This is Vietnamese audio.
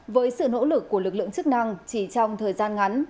với sự nỗ lực của lực lượng chức năng chỉ trong thời gian ngắn